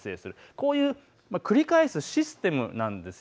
こういう繰り返すシステムなんです。